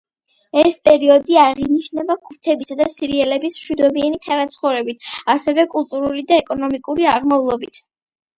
ეს პერიოდი აღინიშნება ქურთებისა და სირიელების მშვიდობიანი თანაცხოვრებით, ასევე კულტურული და ეკონომიკური აღმავლობით.